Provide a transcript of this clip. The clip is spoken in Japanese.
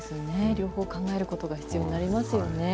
両方考えることが必要になりますよね。